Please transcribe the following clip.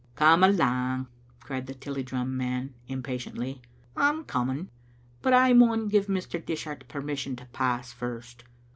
"" Come alang, " cried the Tilliedrum man, impatiently. " I'm coming, but I maun give Mr. Dishart permis sion to pass first.